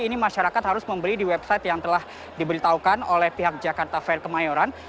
ini masyarakat harus membeli di website yang telah diberitahukan oleh pihak jakarta fair kemayoran